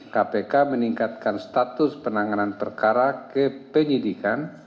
kpk meningkatkan status penanganan perkara kepenyidikan